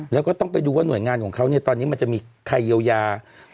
แล้วก็ต้องไปดูว่าหน่วยงานของเขาเนี่ยตอนนี้มันจะมีใครเยียวยา